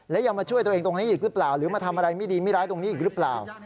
และยังมาช่วยตัวเองตรงนี้อีกหรือเปล่าหรือมาทำอะไรไม่ดีไม่ร้ายตรงนี้อีกหรือเปล่า